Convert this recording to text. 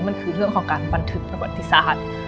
มันคือเรื่องของการบันทึกประวัติศาสตร์